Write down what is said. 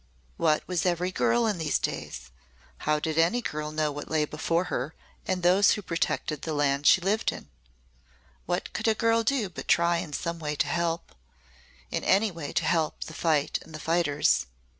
What was every girl in these days? How did any girl know what lay before her and those who protected the land she lived in? What could a girl do but try in some way to help in any way to help the fight and the fighters.